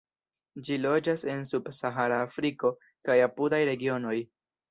Ĝi loĝas en subsahara Afriko kaj apudaj regionoj.